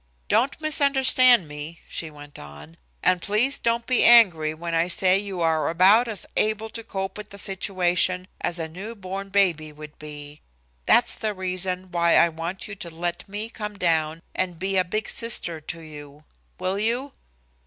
"Don't misunderstand me," she went on, "and please don't be angry when I say you are about as able to cope with the situation as a new born baby would be. That's the reason why I want you to let me come down and be a big sister to you. Will you?"